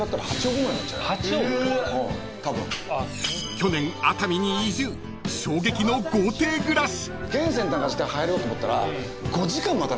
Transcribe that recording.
［去年熱海に移住衝撃の豪邸暮らし］